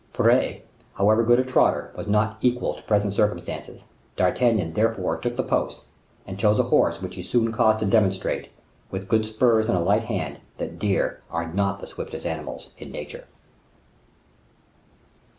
Furet, however good a trotter, was not equal to present circumstances. D'Artagnan therefore took the post, and chose a horse which he soon caused to demonstrate, with good spurs and a light hand, that deer are not the swiftest animals in nature.